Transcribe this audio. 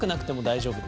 大丈夫？